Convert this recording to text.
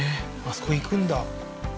あそこ行くんだ？